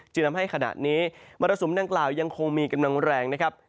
ทำให้ขณะนี้มรสุมดังกล่าวยังคงมีกำลังแรงนะครับ